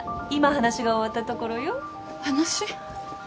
話？